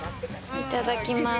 いただきます。